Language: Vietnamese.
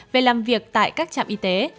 về làm việc tại các trạm y tế